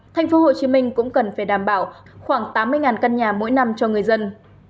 tp hcm cũng cần phải đảm bảo khoảng tám mươi căn nhà mỗi năm cho người dân